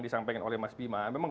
disampaikan oleh mas bima memang